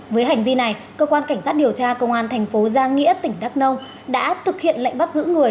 với hành vi này cơ quan cảnh sát điều tra công an thành phố giang nghĩa tỉnh đắk nông đã thực hiện lệnh bắt giữ người